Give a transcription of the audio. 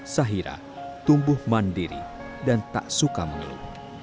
sahira tumbuh mandiri dan tak suka mengeluh